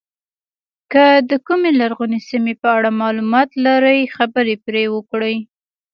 که د کومې لرغونې سیمې په اړه معلومات لرئ خبرې پرې وکړئ.